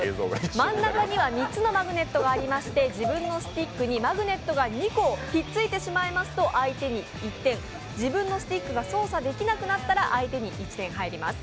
真ん中には３つのマグネットがありまして、自分のスティックにマグネットが２個ひっついてしまいますと相手に１点、自分のスティックが操作できなくなったら相手に１点入ります。